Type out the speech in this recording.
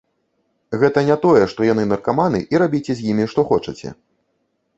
Гэта не тое, што яны наркаманы, і рабіце з імі, што хочаце.